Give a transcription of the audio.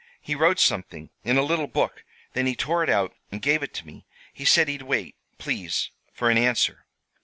He wrote something in a little book; then he tore it out and gave it to me. He said he'd wait, please, for an answer."